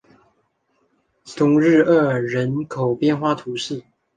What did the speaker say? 松日厄人口变化图示